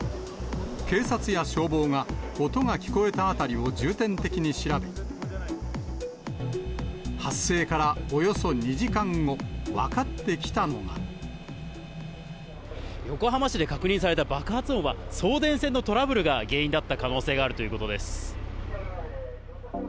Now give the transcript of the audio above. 警察や消防が音が聞こえた辺りを重点的に調べ、発生からおよそ２横浜市で確認された爆発音は、送電線のトラブルが原因だった可能性があるということです。